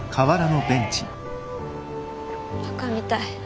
バカみたい。